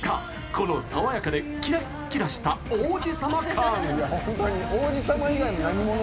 この爽やかでキラッキラした王子様感。